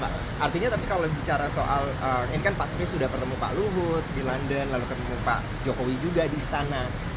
pernyataan dari luhut bin sarpa jaitan